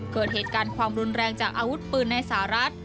เกิดเหตุการณ์ความรุนแรงจากอาวุธปืนในสหรัฐ